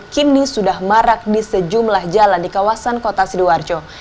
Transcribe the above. kini sudah marak di sejumlah jalan di kawasan kota sidoarjo